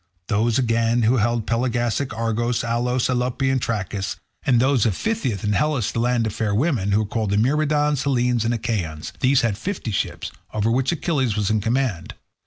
Those again who held Pelasgic Argos, Alos, Alope, and Trachis; and those of Phthia and Hellas the land of fair women, who were called Myrmidons, Hellenes, and Achaeans; these had fifty ships, over which Achilles was in command.